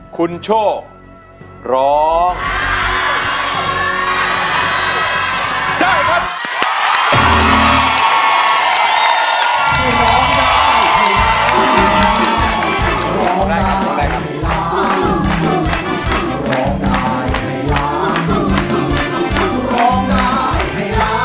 คุณโชคร้องได้ครับ